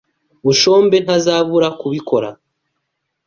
Bushombe ntazabura kubikora.